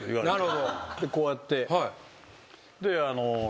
こうやって。